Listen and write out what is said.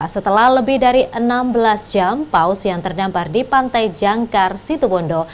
setelah lebih dari enam belas jam paus yang terdampar di pantai jangkar situbondo